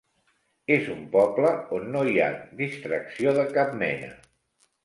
És un poble on no hi ha distracció de cap mena.